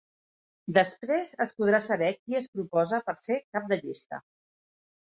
Després es podrà saber qui es proposa per ser cap de llista.